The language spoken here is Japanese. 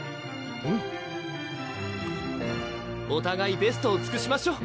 うんおたがいベストをつくしましょ！